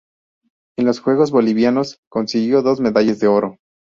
En los Juegos Bolivarianos consiguió dos medallas de oro.